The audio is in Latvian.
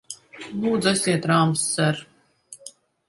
Lūdzu, esiet rāms, ser!